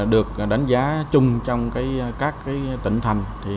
được đánh giá chung trong các tỉnh thành